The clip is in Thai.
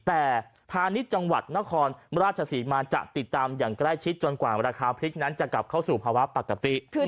แต่พาณิชย์จังหวัดนครราชศรีมาจะติดตามอย่างใกล้ชิดจนกว่าราคาพริกนั้นจะกลับเข้าสู่ภาวะปกติ